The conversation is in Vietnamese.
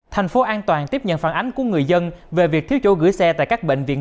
thành phố an toàn tiếp nhận phản ánh của người dân về việc thiếu chỗ gửi xe tại các bệnh viện